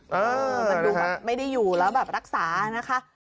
เออมันดูแบบไม่ได้อยู่แล้วแบบรักษานะคะ